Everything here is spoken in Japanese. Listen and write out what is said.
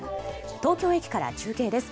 東京駅から中継です。